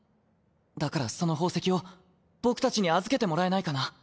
だからその宝石を僕たちに預けてもらえないかな。